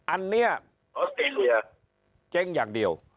อันเนี่ยเกร็งอย่างเดียว